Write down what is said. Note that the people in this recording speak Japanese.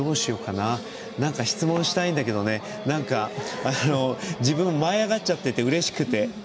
なんか質問したいんだけどねなんか、自分も舞い上がっちゃっててうれしくて。